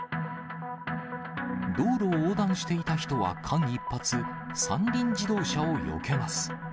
道路を横断していた人は、間一髪、三輪自動車をよけます。